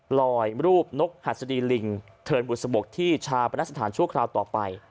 ลอยรูปนกหัสดีลิงเทินบุษบกที่ชาปนสถานชั่วคราวต่อไป